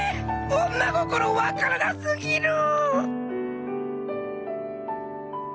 女心わからなすぎる！